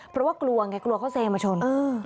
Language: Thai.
เพราะว่ากลัวไงกลัวเขาเซมาชน